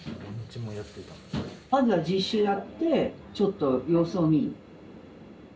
まずは実習やってちょっと様子を見る？